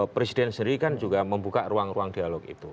presiden sendiri kan juga membuka ruang ruang dialog itu